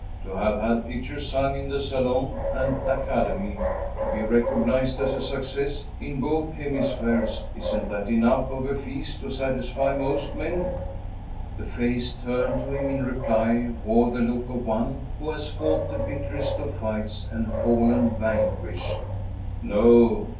"To have had pictures hung in the Salon and Academy, to be recognized as a success in both hemispheres, isn't that enough of a feast to satisfy most men?" The face turned to him in reply wore the look of one who has fought the bitterest of fights and fallen vanquished. "No.